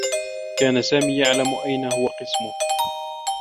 كان سامي يعلم أين هو قسمه.